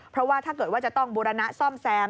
เพราะว่าถ้าเกิดว่าจะต้องบูรณะซ่อมแซม